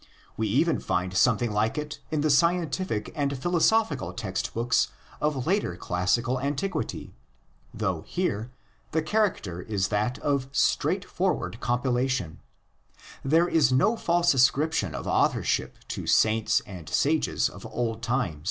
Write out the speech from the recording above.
We even find something like it in the scientific and philosophical text books of later classical antiquity, though here the character is that of straightforward compilation ; there is no false ascrip tion of authorship to saints and sages of old time.